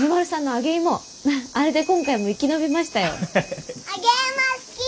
揚げ芋好き！